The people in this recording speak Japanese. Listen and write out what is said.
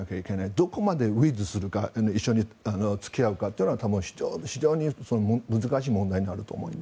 どこまでウィズするか一緒に付き合うかというのは多分、非常に難しい問題になると思います。